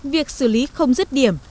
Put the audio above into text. việc xử lý không dứt điểm